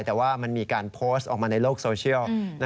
แต่ว่ามันมีการโพสต์ออกมาในโลกโซเชียล